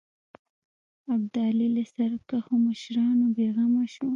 ابدالي له سرکښو مشرانو بېغمه شو.